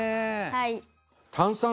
「はい」